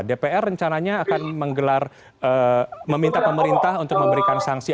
dpr rencananya akan menggelar meminta pemerintah untuk memberikan sanksi